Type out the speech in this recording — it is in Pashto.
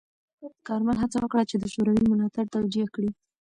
کارمل هڅه وکړه چې د شوروي ملاتړ توجیه کړي.